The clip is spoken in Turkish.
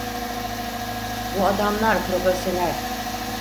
Bu adamlar profesyonel.